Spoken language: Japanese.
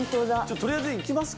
とりあえず行きますか。